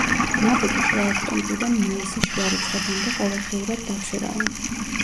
ნავები შუა ოქტომბრიდან მაისის შუა რიცხვებამდე ყოველდღიურად დაცურავენ.